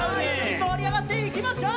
もりあがっていきましょう！